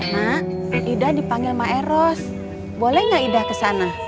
mak ida dipanggil mak eros boleh gak ida kesana